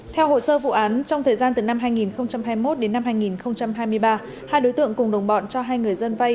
theo hồ sơ vụ án trong thời gian từ năm hai nghìn hai mươi một đến năm hai nghìn hai mươi ba hai đối tượng cùng đồng bọn cho hai người dân vay